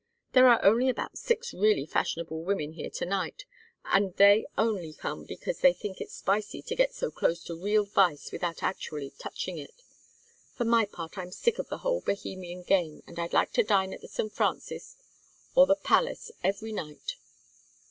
There are only about six really fashionable women here to night, and they only come because they think it's spicy to get so close to real vice without actually touching it. For my part I'm sick of the whole Bohemian game, and I'd like to dine at The St. Francis or The Palace every night."